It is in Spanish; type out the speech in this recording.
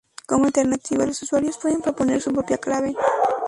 Como alternativa, los usuarios pueden proponer su propia clave.